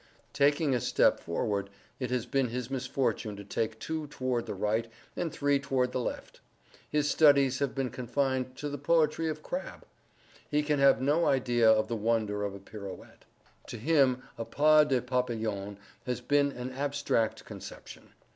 Taking a step forward, it has been his misfortune to take two toward the right, and three toward the left. His studies have been confined to the poetry of Crabbe. He can have no idea of the wonder of a pirouette. To him a pas de papillon has been an abstract conception.